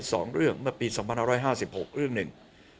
สองเรื่องเมื่อปี๒๕๕๖เรื่องหนึ่ง